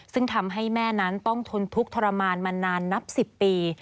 ซึ่งทำให้แม่นั้นต้องทนทุกข์ทรมานมานานนับ๑๐ปี